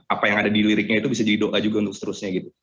apa yang ada di liriknya itu bisa jadi doa juga untuk seterusnya gitu